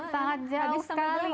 sangat jauh sekali gitu